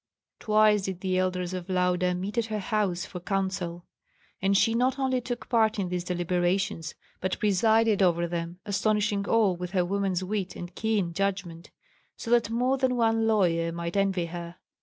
Twice did the elders of Lauda meet at her house for counsel; and she not only took part in these deliberations but presided over them, astonishing all with her woman's wit and keen judgment, so that more than one lawyer might envy her.